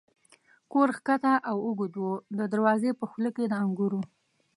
کور کښته او اوږد و، د دروازې په خوله کې د انګورو.